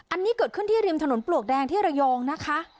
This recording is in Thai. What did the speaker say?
อันนี้เกิดขึ้นที่ริมถนนปลวกแดงที่ระยองนะคะ